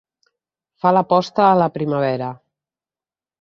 Fa la posta a la primavera.